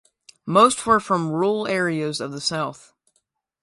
Most were from rural areas of the South.